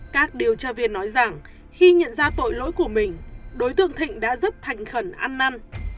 các điều tra viên nói rằng khi nhận ra tội lỗi của mình đối tượng thịnh đã rất thành khẩn ăn năn